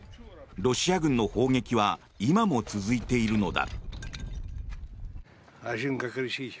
ロシア軍の砲撃は今も続いているのだ。